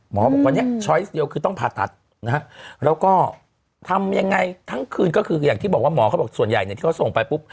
หมอบอกวันนี้ช้อยเดียวคือต้องผ่าตัดนะฮะแล้วก็ทำยังไงทั้งคืนก็คืออย่างที่บอกว่าหมอเขาบอกส่วนใหญ่เนี่ยที่เขาส่งไปปุ๊บ